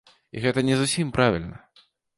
І гэта не зусім правільна.